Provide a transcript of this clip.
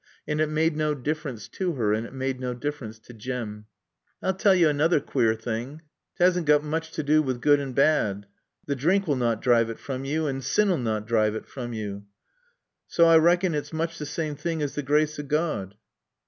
And it made no difference to her, and it made no difference to Jim. "I'll tell yo anoother quare thing. 'T' assn't got mooch t' do wi' good and baad. T' drink 'll nat drive it from yo, an' sin'll nat drive it from yo. Saw I raakon 't is mooch t' saame thing as t' graace o' Gawd."